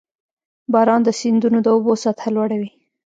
• باران د سیندونو د اوبو سطحه لوړوي.